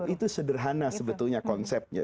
itu sederhana sebetulnya konsepnya